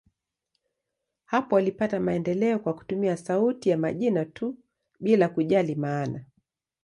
Hapo walipata maendeleo kwa kutumia sauti ya majina tu, bila kujali maana.